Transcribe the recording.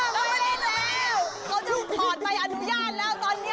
เราจะถูกถอดไปอดุญาณแล้วตอนนี้